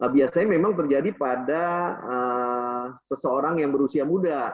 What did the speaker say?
biasanya memang terjadi pada seseorang yang berusia muda